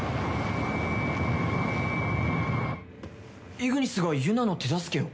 イグニスがユナの手助けを？